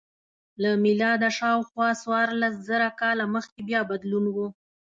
له میلاده شاوخوا څوارلس زره کاله مخکې بیا بدلون و